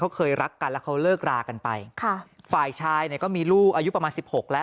เขาเคยรักกันแล้วเขาเลิกรากันไปค่ะฝ่ายชายเนี่ยก็มีลูกอายุประมาณสิบหกแล้ว